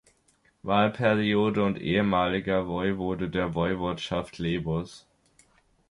Wahlperiode und ehemaliger Woiwode der Woiwodschaft Lebus.